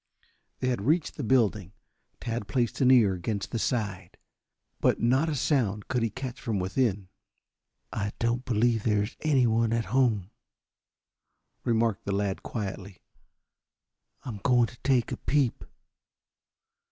They had reached the building. Tad placed an ear against the side, but not a sound could he catch from within. "I don't believe there is anyone at home," remarked the lad quietly. "I'm going to take a peep."